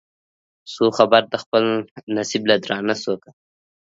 سو خبر د خپل نصیب له درانه سوکه